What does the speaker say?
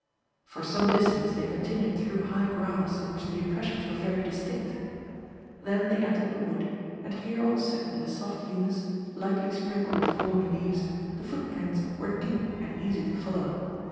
For some distance they continued through high grass in which the impressions were very distinct: then they entered the wood, and here also, in the soft humus, lightly sprinkled with fallen leaves, the footprints were deep and easy to follow.